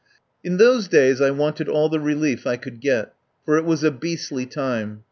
123 THE POWER HOUSE In those days I wanted all the relief I could get, for it was a beastly time.